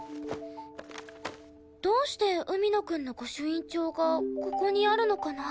どうして海野くんの御朱印帳がここにあるのかな？